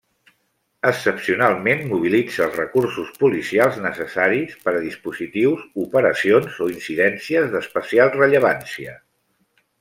Excepcionalment mobilitza els recursos policials necessaris per a dispositius, operacions o incidències d'especial rellevància.